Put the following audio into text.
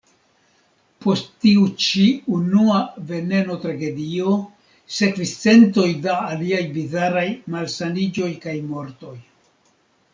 Post tiu ĉi unua veneno-tragedio sekvis centoj da aliaj bizaraj malsaniĝoj kaj mortoj.